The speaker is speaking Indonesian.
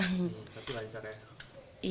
tapi lancar ya